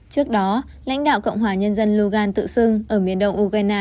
trước đó lãnh đạo cộng hòa nhân dân logan tự xưng ở miền đông ukraine